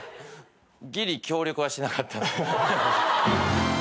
ぎり協力はしてなかった。